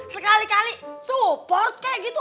sekali kali support kayak gitu